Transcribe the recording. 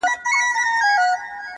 نور به وه ميني ته شعرونه ليكلو ـ